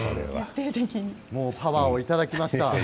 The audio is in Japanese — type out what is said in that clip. パワーをいただきました。